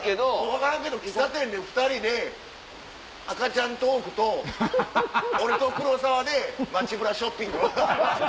分からんけど喫茶店で２人で赤ちゃんトークと俺と黒沢で街ブラショッピング。